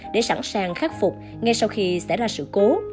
để sẵn sàng khắc phục ngay sau khi xảy ra sự cố